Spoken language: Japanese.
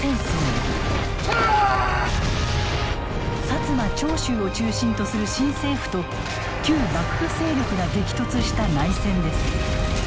摩・長州を中心とする新政府と旧幕府勢力が激突した内戦です。